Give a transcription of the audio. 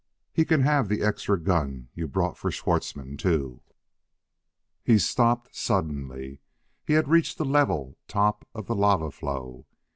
He can have the extra gun you brought for Schwartzmann, too." He stopped suddenly. He had reached the level top of the lava flow.